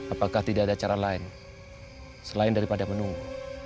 apakah tidak ada cara lain selain daripada menunggu